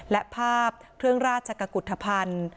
และภาพเครื่องราชจักรกุธพันธ์